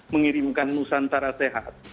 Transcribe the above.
mengirimkan nusantara sehat